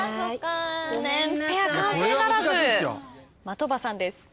的場さんです。